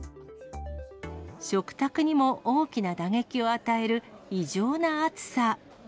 食卓にも大きな打撃を与える異常な暑さ。